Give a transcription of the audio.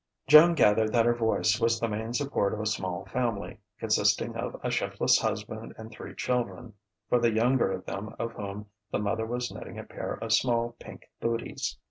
Joan gathered that her voice was the main support of a small family, consisting of a shiftless husband and three children, for the younger of whom the mother was knitting a pair of small, pink bootees.